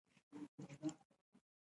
د نړۍ ډېری فرهنګې حوزې مخ شوې وې.